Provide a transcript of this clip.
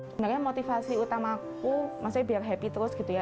sebenarnya motivasi utamaku maksudnya biar happy terus gitu ya